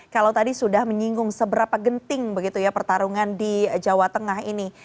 kalau tadi sudah menyinggung seberapa genting begitu ya pertarungan di jawa tengah ini